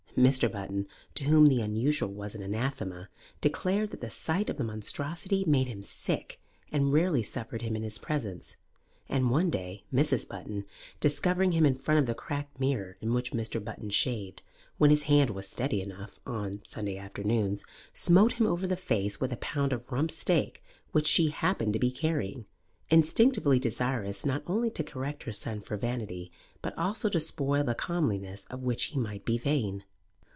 Mr. Button, to whom the unusual was anathema, declared that the sight of the monstrosity made him sick, and rarely suffered him in his presence; and one day Mrs. Button, discovering him in front of the cracked mirror in which Mr. Button shaved, when his hand was steady enough, on Sunday afternoons, smote him over the face with a pound of rump steak which she happened to be carrying, instinctively desirous not only to correct her son for vanity, but also to spoil the comeliness of which he might be vain.